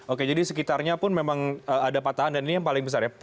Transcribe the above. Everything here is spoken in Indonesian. oke jadi sekitarnya pun memang ada patahan dan ini yang paling besar ya